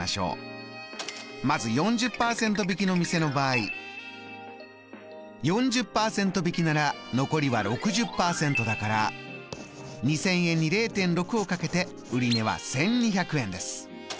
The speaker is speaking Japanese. まず４０％引きの店の場合４０％引きなら残りは６０％だから２０００円に０．６を掛けて売値は１２００円です。